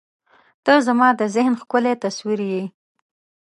• ته زما د ذهن ښکلی تصویر یې.